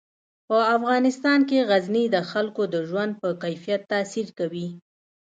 په افغانستان کې غزني د خلکو د ژوند په کیفیت تاثیر کوي.